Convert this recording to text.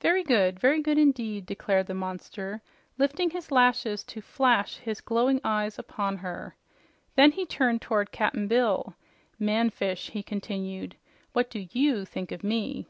"Very good, very good indeed," declared the monster, lifting his lashes to flash his glowing eyes upon them. Then he turned toward Cap'n Bill. "Man fish," he continued, "what do YOU think of me?"